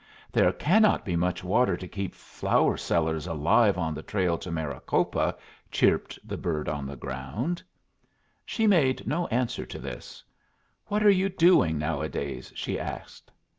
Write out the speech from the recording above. "There cannot be much water to keep flour sellers alive on the trail to Maricopa," chirped the bird on the ground. She made no answer to this. "What are you doing nowadays?" she asked.